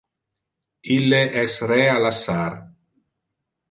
Ille es re a lassar.